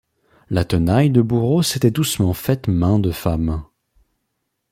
La tenaille de bourreau s’était doucement faite main de femme.